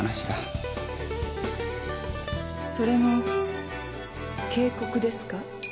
それも警告ですか？